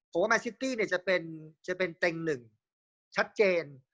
ผมว่าแมนซิตี้เนี่ยจะเป็นจะเป็นเต็งหนึ่งชัดเจน